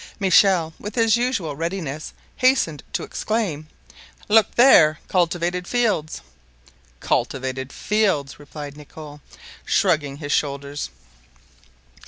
Michel, with his usual readiness, hastened to exclaim: "Look there! cultivated fields!" "Cultivated fields!" replied Nicholl, shrugging his shoulders.